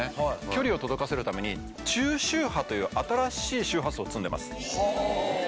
距離を届かせるために中周波という新しい周波数を積んでます